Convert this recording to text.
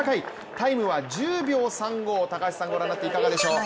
タイムは１０秒３５、ご覧になっていかがでしょう。